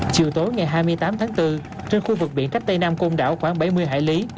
chiều tối ngày hai mươi tám tháng bốn trên khu vực biển cách tây nam côn đảo khoảng bảy mươi hải lý